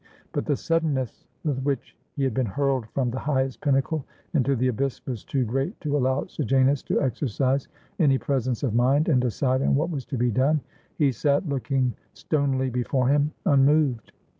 But the suddenness with which he had been hurled from the highest pinnacle into the abyss was too great to allow Sejanus to exercise any presence of mind and decide on what was to be done. He sat, looking stonily before him, unmoved.